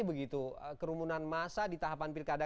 begitu kerumunan masa di tahapan pilkada